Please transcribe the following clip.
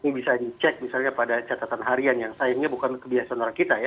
ini bisa dicek misalnya pada catatan harian yang sayangnya bukan kebiasaan orang kita ya